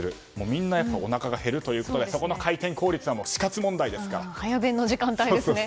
みんなおなかが減るということでそこの回転効率は早弁の時間帯ですね。